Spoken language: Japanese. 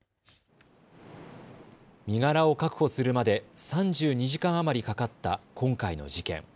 身柄を確保するまで３２時間余りかかった今回の事件。